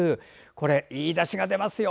これ、いいだしが出ますよ。